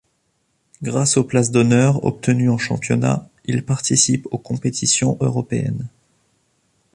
Grâce aux places d'honneur obtenues en championnat, il participe aux compétitions européennes.